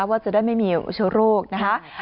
ว่าจะได้ไม่มีเชื้อโรคนะคะ